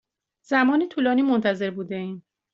زمان طولانی منتظر بوده ایم.